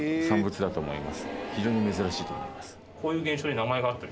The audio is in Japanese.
非常に珍しいと思います。